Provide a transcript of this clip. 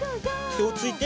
てをついて。